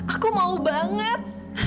aku mau banget